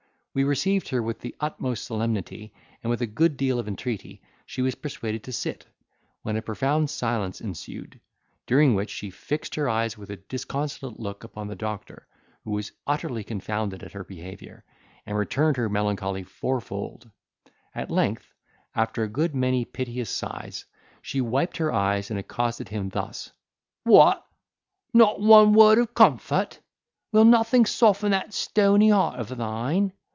We received her with the utmost solemnity, and with a good deal of entreaty she was persuaded to sit, when a profound silence ensued, during which she fixed her eyes, with a disconsolate look, upon the doctor, who was utterly confounded at her behaviour, and returned her melancholy fourfold; at length, after a good many piteous sighs, she wiped her eyes, and accosted him thus: "What! not one word of comfort? Will nothing soften that stony heart of thine?